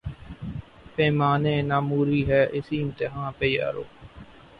پیمان ء ناموری ہے، اسی امتحاں پہ یارو